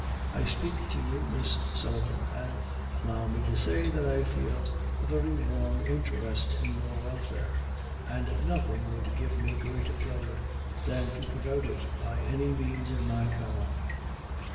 I speak to you, Miss Sullivan; and, allow me to say, that I feel a very warm interest in your welfare, and nothing would give me greater pleasure than to promote it by any means in my power."